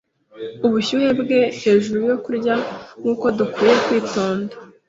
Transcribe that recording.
Ubushyuhe bwe hejuru yo kurya Nkuko dukwiye kwitonda